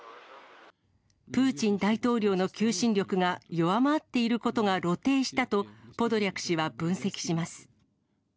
プーチン大統領の求心力が弱まっていることが露呈したと、ポドリャク氏は分析します。